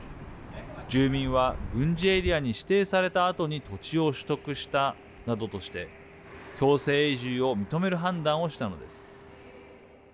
住民は軍事エリアに指定されたあとに土地を取得したなどとして強制移住を認める判断をしたのです。